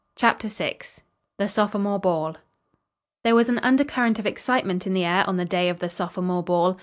CHAPTER VI THE SOPHOMORE BALL There was an undercurrent of excitement in the air on the day of the sophomore ball.